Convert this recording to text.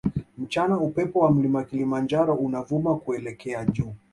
Mchana upepo wa mlima kilimanjaro unavuma kuelekea juu